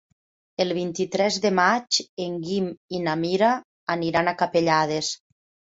El vint-i-tres de maig en Guim i na Mira aniran a Capellades.